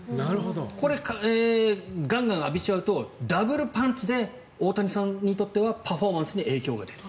これ、がんがん浴びちゃうとダブルパンチで大谷さんにとってはパフォーマンスに影響が出る。